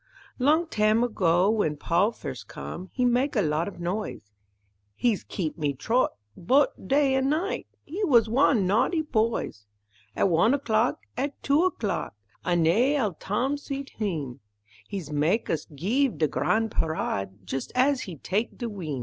Long tam' ago, w'en Paul firs' com', He mak' a lot of noise; He's keep me trot, bot' day an' night, He was wan naughty boys; At wan o'clock, at two o'clock, Annee ol' tam' suit heem, He's mak' us geeve de gran' parade Jus' as he tak' de w'im.